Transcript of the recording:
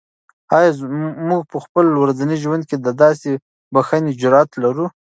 آیا موږ په خپل ورځني ژوند کې د داسې بښنې جرات لرو؟